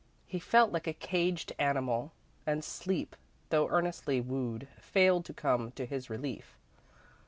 He felt like a caged animal, and sleep, though earnestly wooed, failed to come to his relief.